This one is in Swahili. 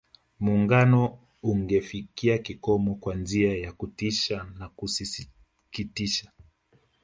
Muungano ungefikia kikomo kwa njia ya kutisha na kusikitisha